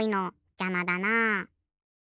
じゃまだなあ。